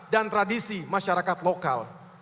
dan tradisi masyarakat lokal